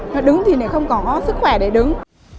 nó đứng thì không có sức khỏe để đứng